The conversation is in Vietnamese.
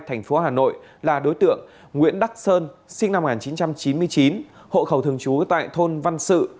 thành phố hà nội là đối tượng nguyễn đắc sơn sinh năm một nghìn chín trăm chín mươi chín hộ khẩu thường trú tại thôn văn sự